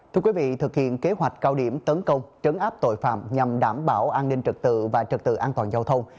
thưa quý vị thực hiện kế hoạch cao điểm tấn công trấn áp tội phạm nhằm đảm bảo an ninh trật tự và trật tự an toàn giao thông